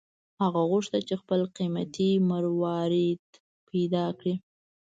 هغه غوښتل چې خپل قیمتي مروارید پیدا کړي.